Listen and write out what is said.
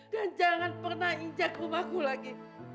dan jangan pernah injak rumahku lagi